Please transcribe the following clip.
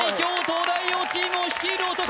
東大王チームを率いる男